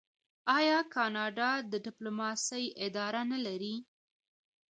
آیا کاناډا د ډیپلوماسۍ اداره نلري؟